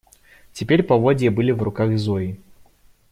Теперь поводья были в руках Зои.